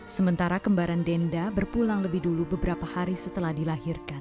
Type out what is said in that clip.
sementara kembaran denda berpulang lebih dulu beberapa hari setelah dilahirkan